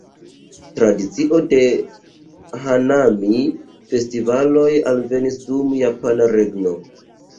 Tradicio de "hanami"-festivaloj alvenis dum japana regno.